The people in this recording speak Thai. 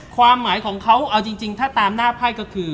ความหมายของเขาเอาจริงถ้าตามหน้าไพ่ก็คือ